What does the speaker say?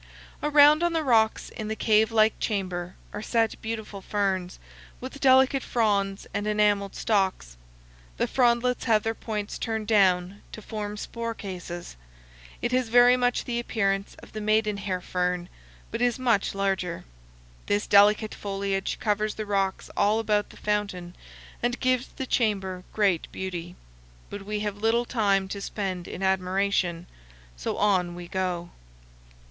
Around on the rocks in the cavelike chamber are set beautiful ferns, with delicate fronds and enameled stalks. The frondlets have their points turned down to form spore cases. It has very much the appearance of the maidenhair fern, but is much larger. This delicate foliage covers the rocks all about the fountain, and gives the chamber great beauty. But we have little time to spend in admiration; so on we go.